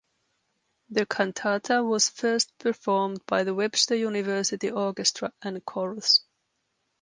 The cantata was first performed by the Webster University Orchestra and Chorus.